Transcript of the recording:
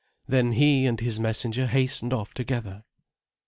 Then he and this messenger hastened off together.